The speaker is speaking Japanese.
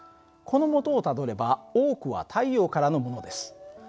このもとをたどれば多くは太陽からのものです。